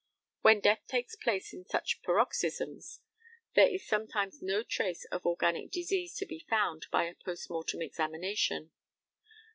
When death takes place in such paroxysms there is sometimes no trace of organic disease to be found by a post mortem examination.